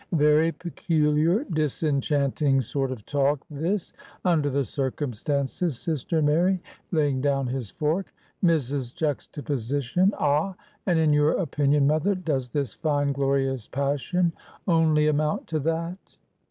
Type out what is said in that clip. "Very peculiar, disenchanting sort of talk, this, under the circumstances, sister Mary," laying down his fork. "Mrs. Juxtaposition, ah! And in your opinion, mother, does this fine glorious passion only amount to that?"